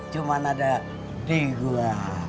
cuman ada di gue